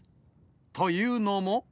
というのも。